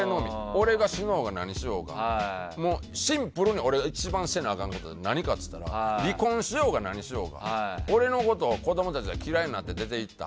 俺が死のうが何しようがシンプルに俺が一番せなあかんことは何かと言うたら離婚しようが何しようが俺のことを子供たちが嫌いになって出て行った。